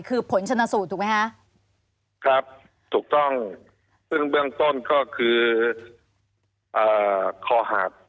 คือผลชนสูตรถูกไหมคะครับถูกต้องซึ่งเบื้องต้นก็คืออ่าคอหัก